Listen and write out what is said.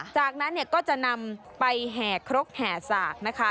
จากนั้นเนี่ยก็จะนำไปแห่ครกแห่สากนะคะ